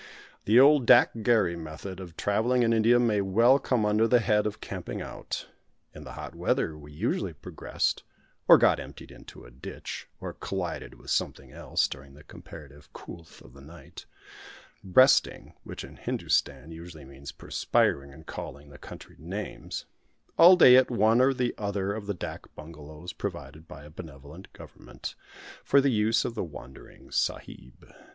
The old dak gharry method of travelling in India may well come under the head of Camping Out. In the hot weather we usually progressed or got emptied into a ditch or collided with something else, during the comparative "coolth" of the night; resting (which in Hindustan usually means perspiring and calling the country names) all day at one or other of the dak bungalows provided by a benevolent Government for the use of the wandering sahib.